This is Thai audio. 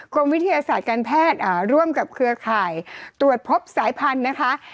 วิทยาศาสตร์การแพทย์ร่วมกับเครือข่ายตรวจพบสายพันธุ์นะคะ